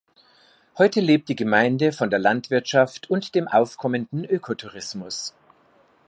Heute lebt die Gemeinde von der Landwirtschaft und dem aufkommenden Ökotourismus.